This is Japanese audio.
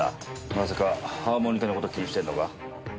まさかハーモニカの事気にしてんのか？